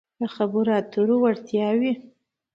-د خبرو اترو وړتیاوې